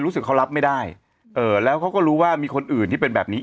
รู้สึกเขารับไม่ได้เออแล้วเขาก็รู้ว่ามีคนอื่นที่เป็นแบบนี้